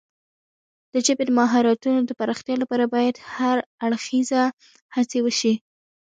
د ژبې د مهارتونو د پراختیا لپاره باید هر اړخیزه هڅې وشي.